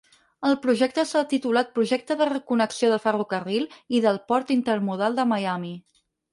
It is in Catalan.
El projecte s'ha titulat "Projecte de Reconnexió del Ferrocarril i del Port Intermodal de Miami".